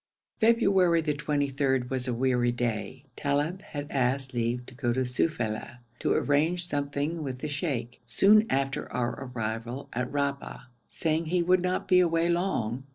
February the 23rd was a weary day. Talib had asked leave to go to Sufeila to arrange something with the sheikh, soon after our arrival at Rahba, saying he would not be away long.